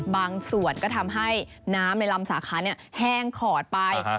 บางส่วนก็ทำให้น้ำในลำสาขาแห้งขอดไป